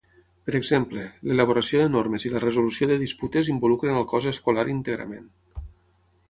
Per exemple, l'elaboració de normes i la resolució de disputes involucren al cos escolar íntegrament.